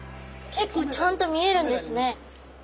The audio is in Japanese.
結構ちゃんと見えるんですね。